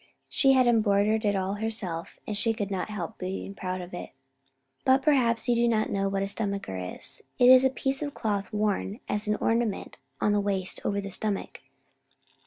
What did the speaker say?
She had embroidered it all herself and she could not help being proud of it. But perhaps you do not know what a stomacher is. It is a piece of cloth worn as an ornament on the waist and over the stomach.